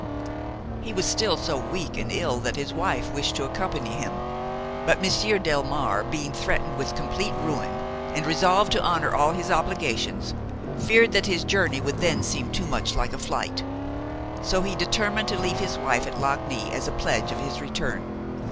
He was still so weak and ill that his wife wished to accompany him; but Monsieur Delmare, being threatened with complete ruin and resolved to honor all his obligations, feared that his journey would then seem too much like a flight; so he determined to leave his wife at Lagny as a pledge of his return.